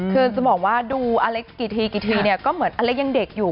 คือจะบอกว่าดูอเล็กซ์กี่ทีกี่ทีเนี่ยก็เหมือนอเล็กยังเด็กอยู่